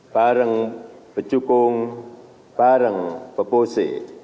bareng becukung bareng pepose